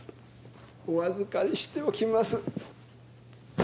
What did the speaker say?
お預かりしておきます。